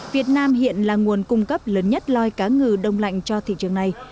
việt nam hiện là nguồn cung cấp lớn nhất loi cá ngừ đông lạnh cho thị trường này